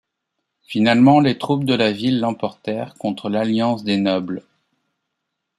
Finalement les troupes de la ville l'emportèrent contre l'alliance des nobles.